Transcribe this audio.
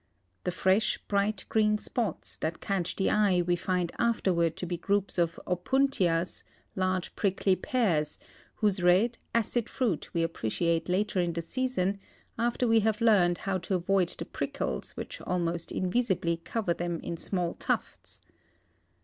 The fresh, bright green spots that catch the eye we find afterward to he groups of opuntias, large prickly pears, whose red, acid fruit we appre ciate later in the season, after we have learned how to avoid the prickles which almost invisibly cover them in small tufts.